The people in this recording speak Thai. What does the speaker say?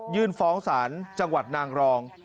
ฟ้องศาลจังหวัดนางรอง